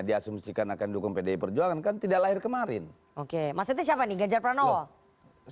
diasumsikan akan dukung pdi perjuangan kan tidak lahir kemarin oke maksudnya siapa nih ganjar pranowo